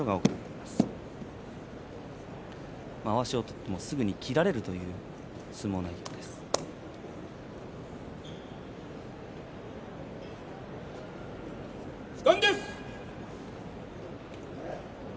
まわしを取っても、すぐに切られるという相撲内容です。